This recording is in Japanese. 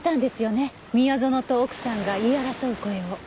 宮園と奥さんが言い争う声を。